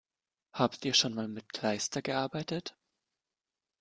Habt ihr schon mal mit Kleister gearbeitet?